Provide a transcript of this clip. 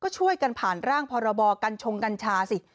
ก็ช่วยกันผ่านร่างพรบกัญชงกัญชาสิ